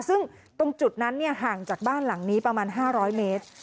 ซึ่งตรงจุดนั้นห่างจากบ้านหลังนี้ประมาณ๕๐๐เมตร